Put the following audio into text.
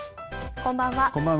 こんばんは。